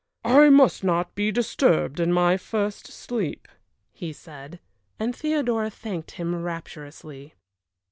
"I must not be disturbed in my first sleep," he said; and Theodora thanked him rapturously.